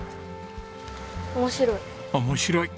「面白い」！